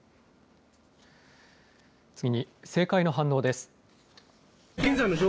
次に政界の反応です。